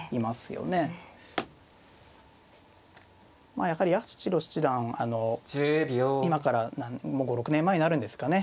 まあやはり八代七段あの今からもう５６年前になるんですかね